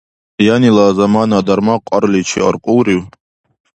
Янила заманара дарма кьарличи аркьулрив?